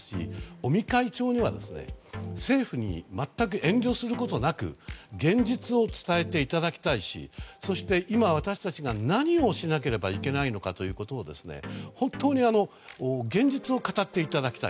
尾身会長には政府に全く遠慮することなく現実を伝えていただきたいしそして、今、私たちが何をしなければいけないのかを本当に現実を語っていただきたい。